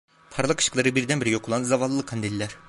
Parlak ışıkları birdenbire yok olan zavallı kandiller…